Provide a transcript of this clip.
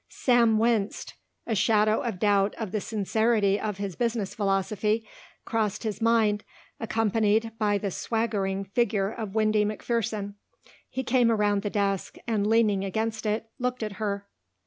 Sam winced. A shadow of doubt of the sincerity of his business philosophy crossed his mind accompanied by the swaggering figure of Windy McPherson. He came around the desk and leaning against it looked at her.